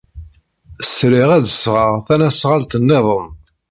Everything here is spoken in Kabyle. Sriɣ ad d-sɣeɣ tasnasɣalt niḍen.